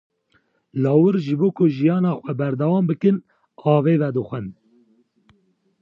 Lawir ji bo ku jiyana xwe berdewam bikin, avê vedixwin.